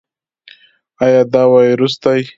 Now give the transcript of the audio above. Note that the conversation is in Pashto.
ایا دا وایروس دی؟